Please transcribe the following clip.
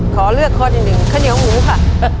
ขอเลือกข้อที่หนึ่งข้าวเหนียวหมูค่ะ